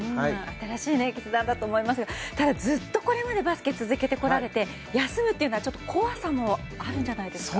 新しい決断だと思いますがただ、これまでずっとバスケを続けてこられて休むというのは怖さもあるんじゃないですか？